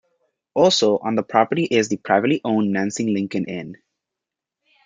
Also on the property is the privately owned Nancy Lincoln Inn.